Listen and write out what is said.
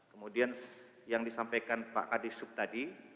kemudian yang disampaikan pak adi sub tadi